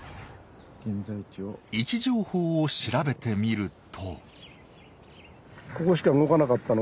位置情報を調べてみると。